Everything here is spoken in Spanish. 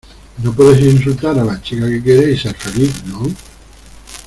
no puedes insultar a la chica que quieres y ser feliz, ¿ no?